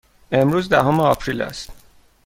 امروز دهم آپریل است.